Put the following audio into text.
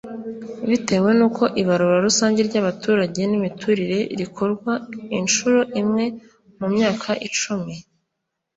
Bitewe n’uko ibarura rusange ry’abaturage n’imiturire rikorwa inshuro imwe mu myaka icumi